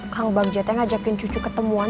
kang jateng ngajakin cucu ketemuan